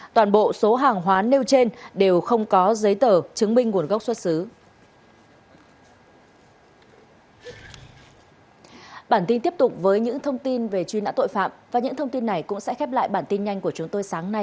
toàn bộ số hàng hóa nêu trên đều không có giấy tờ chứng minh nguồn gốc xuất xứ